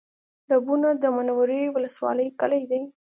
ډبونه د منورې ولسوالۍ کلی دی